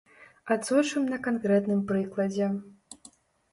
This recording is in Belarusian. Адсочым на канкрэтным прыкладзе.